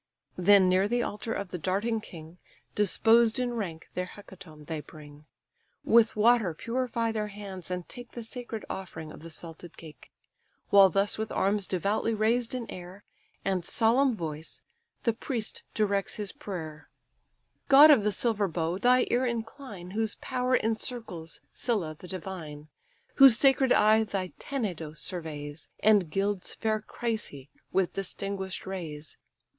Then near the altar of the darting king, Disposed in rank their hecatomb they bring; With water purify their hands, and take The sacred offering of the salted cake; While thus with arms devoutly raised in air, And solemn voice, the priest directs his prayer: "God of the silver bow, thy ear incline, Whose power incircles Cilla the divine; Whose sacred eye thy Tenedos surveys, And gilds fair Chrysa with distinguish'd rays!